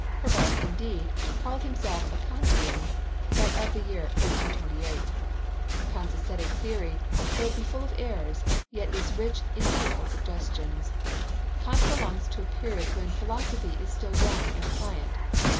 Herbart, indeed, called himself "a Kantian, but of the year 1828." Kant's aesthetic theory, though it be full of errors, yet is rich in fruitful suggestions. Kant belongs to a period when philosophy is still young and pliant.